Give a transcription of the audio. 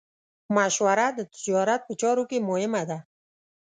مشوره د تجارت په چارو کې مهمه ده.